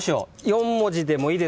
４文字でもいいですか？